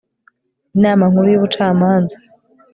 inama nkuru y ubucamanza